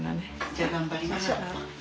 じゃあ頑張りましょう。